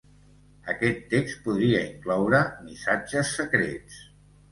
Aquest text podria incloure missatges secrets.